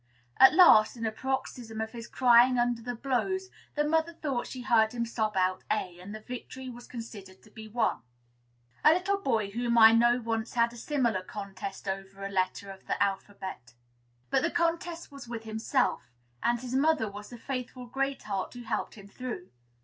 At last, in a paroxysm of his crying under the blows, the mother thought she heard him sob out "A," and the victory was considered to be won. A little boy whom I know once had a similar contest over a letter of the alphabet; but the contest was with himself, and his mother was the faithful Great Heart who helped him through.